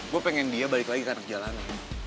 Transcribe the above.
gue pengen dia balik lagi ke raja lana